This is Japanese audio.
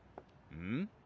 うん？